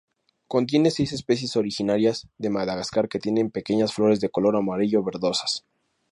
Contiene seis especies originarias de Madagascar que tienen pequeñas flores de color amarillo verdosas.